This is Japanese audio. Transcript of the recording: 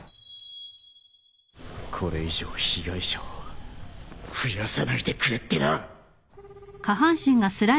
これ以上被害者を増やさないでくれってな！